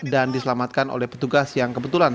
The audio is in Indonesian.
dan diselamatkan oleh petugas yang kebetulan